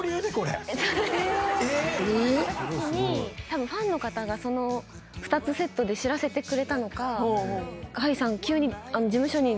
たぶんファンの方がその２つセットで知らせてくれたのか。